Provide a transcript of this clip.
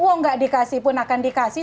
oh nggak dikasih pun akan dikasih